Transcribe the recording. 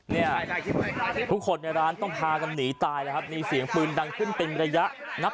เนี่ยทุกคนในร้านต้องพากันหนีตายแล้วครับมีเสียงปืนดังขึ้นเป็นระยะนับ